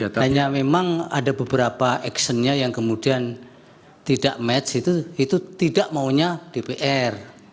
hanya memang ada beberapa actionnya yang kemudian tidak match itu tidak maunya dpr